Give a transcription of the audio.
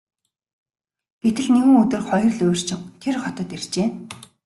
Гэтэл нэгэн өдөр хоёр луйварчин тэр хотод иржээ.